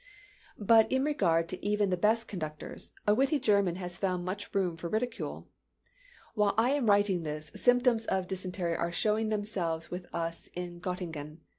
But in regard to even the best conductors, a witty German has found much room for ridicule. "While I am writing this, symptoms of dysentery are showing themselves with us in Gottingen.